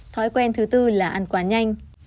thói quen thứ bốn là ăn quá nhanh